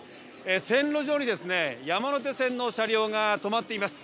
線路上に山手線の車両が止まっています。